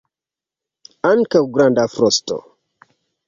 Ankaŭ granda frosto.